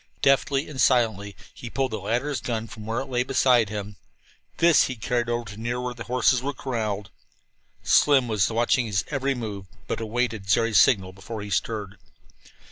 Deftly and silently he pulled the latter's gun from where it lay beside him. This he carried over to near where the horses were corralled. Slim now was watching his every move, but awaited Jerry's signal before he stirred.